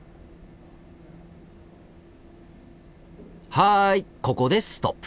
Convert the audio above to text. はいここでストップ。